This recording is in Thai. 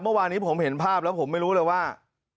เมื่อวานนี้ผมเห็นภาพแล้วผมไม่รู้เลยว่า